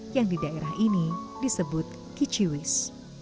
yang di daerah ini disebut kiciwis